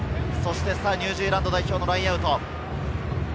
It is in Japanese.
ニュージーランド代表のラインアウト。